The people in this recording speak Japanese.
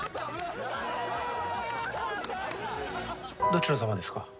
どちら様ですか？